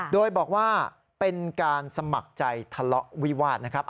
โดยบอกว่าเป็นการสมัครใจทะเลาะวิวาสนะครับ